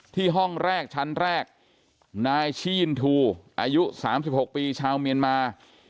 ห้องแรกชั้นแรกนายชียินทูอายุ๓๖ปีชาวเมียนมา